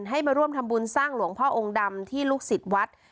ให้มาร่วมทำบุญสร้างหลวงพ่อองค์ดำที่ลูกศิษย์วัด